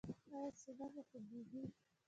ایا سینه مو خوږیږي؟